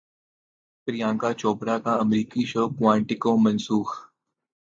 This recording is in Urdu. پریانکا چوپڑا کا امریکی شو کوائنٹیکو منسوخ